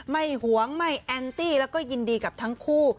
หวงไม่แอนตี้แล้วก็ยินดีกับทั้งคู่